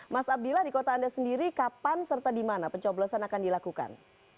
mas abdillah di kota anda sendiri kapan serta di mana pencoblosan akan dilakukan